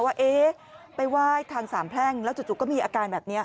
ว่าไปไหว้ทางสามแพร่งแล้วจู่ก็มีอาการแบบนี้